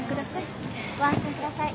ご安心ください。